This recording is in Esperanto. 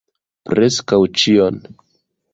Preskaŭ ĉion.